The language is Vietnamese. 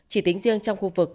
chỉ tính riêng trong khu vực